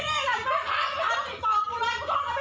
กลับมาพร้อมขอบความ